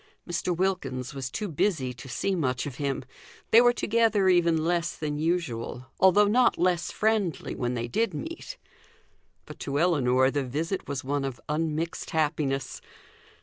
Mr. Wilkins was too busy to see much of him; they were together even less than usual, although not less friendly when they did meet. But to Ellinor the visit was one of unmixed happiness.